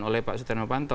oleh pak setiano panto